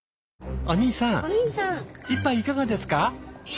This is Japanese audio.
お兄さん１杯いかがですか？